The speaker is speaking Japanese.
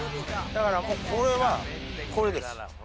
だからもう、これはこれです。